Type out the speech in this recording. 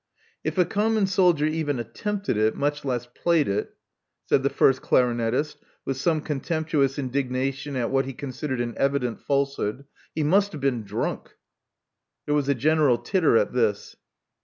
If a common soldier even attempted it, much less played it," said the first clarinettist, with some con temptuous indignation at what he considered an evident falsehood, he must have been drunk." There was a general titter at this.